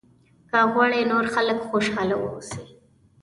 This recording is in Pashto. که غواړې نور خلک خوشاله واوسي.